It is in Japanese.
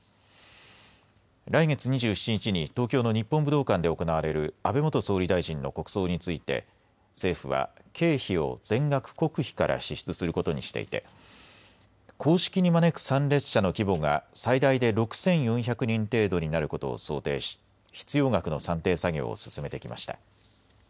来月２７日に東京の日本武道館で行われる安倍元総理大臣の国葬について政府は経費を全額国費から支出することにしていて公式に招く参列者の規模が最大で６４００人程度になることを想定し必要額の算定作業を進めてきました。